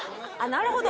なるほど。